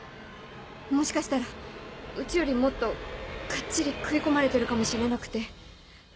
もしかしたらうちよりもっとガッチリ食い込まれてるかもしれなくて。